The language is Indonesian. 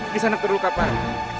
kisanak turun ke atas